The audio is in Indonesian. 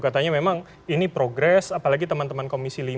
katanya memang ini progres apalagi teman teman komisi lima